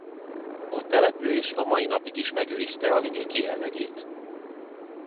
A település a mai napig is megőrizte a vidéki jellegét.